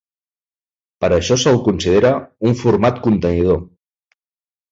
Per això se'l considera un format contenidor.